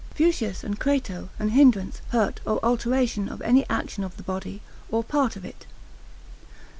Fuschius and Crato, an hindrance, hurt, or alteration of any action of the body, or part of it.